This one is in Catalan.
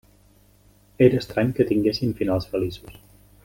Era estrany que tinguessin finals feliços.